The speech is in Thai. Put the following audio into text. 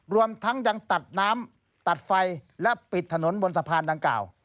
รวมทั้งยังตัดน้ำตัดไฟและปิดถนนบนสะพานดังกล่าว